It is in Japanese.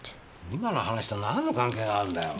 今の話と何の関係があるんだよ。